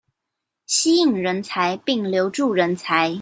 吸引人才並留住人才